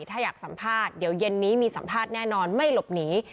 ถ้าอยากสัมภาษณ์เดี๋ยวเย็นนี้มีสัมภาษณ์แน่นอนไม่หลบหนี